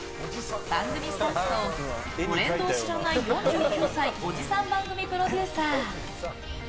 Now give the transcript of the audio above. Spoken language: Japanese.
番組スタッフとトレンドを知らない４９歳おじさん番組プロデューサー。